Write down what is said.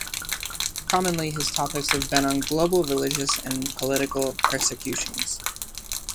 Commonly, his topics have been on global religious and political persecutions.